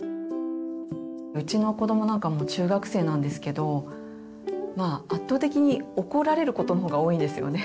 うちの子どもなんかもう中学生なんですけどまあ圧倒的に怒られることの方が多いんですよね。